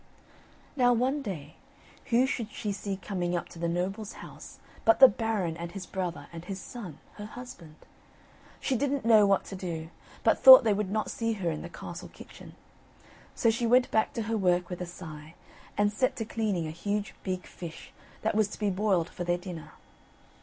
Now one day, who should she see coming up to the noble's house but the Baron and his brother and his son, her husband. She didn't know what to do; but thought they would not see her in the castle kitchen. So she went back to her work with a sigh, and set to cleaning a huge big fish that was to be boiled for their dinner.